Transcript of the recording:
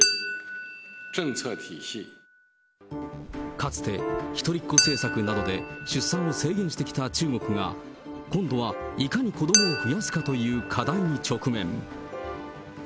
かつて、一人っ子政策などから出産を制限してきた中国が、今度はいかに子どもを増やすかという課題に直面。